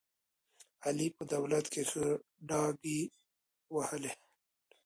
علي په دولت کې ښې ډاکې ووهلې.